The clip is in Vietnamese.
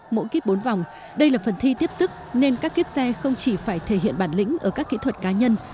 mỗi kiếp bốn vòng đây là phần thi tiếp sức nên các kiếp xe không chỉ phải thể hiện bản lĩnh ở các kỹ thuật cá nhân